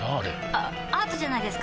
あアートじゃないですか？